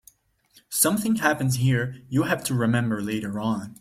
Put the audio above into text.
Something happens here you'll have to remember later on.